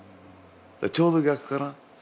ちょうど逆かな。